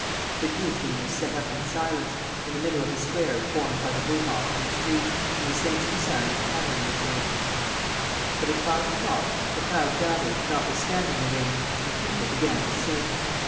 The guillotine was set up in silence, in the middle of the square formed by the boulevard and the street; and the sinister sound of hammering was heard. But, at five o'clock, the crowd gathered, notwithstanding the rain, and people began to sing.